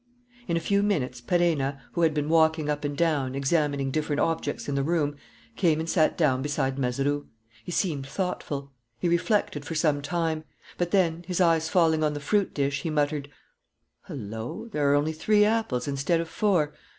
In a few minutes Perenna, who had been walking up and down, examining different objects in the room, came and sat down beside Mazeroux. He seemed thoughtful. He reflected for some time. But then, his eyes falling on the fruit dish, he muttered: "Hullo! There are only three apples instead of four.